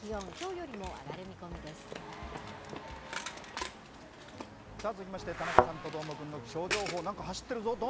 あすは晴れて、気温、きょうよりさあ、続きまして、田中さんとどーもくんの気象情報、なんか走ってるぞ、